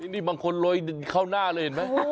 นี่บางคนโรยเข้าหน้าเลยเห็นไหม